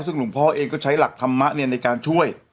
ซึ่งหลวงพ่อเองก็ใช้หลักธรรมะในการช่วย